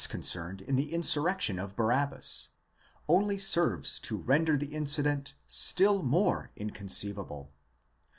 concerned in the insurrection of Barabbas,?° only serves to render the incident. still more inconceivable.